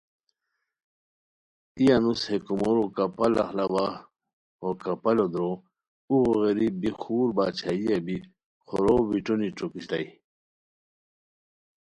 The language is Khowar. ای انوس ہے کومورو کپال اخلاوا ہو کپالو درو ہے اوغو غیری بی خور باچھائیہ بی خورو بیٹونی ݯوکیتائے